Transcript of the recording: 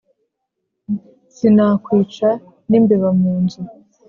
Sinakwica n'imbeba mu nzu.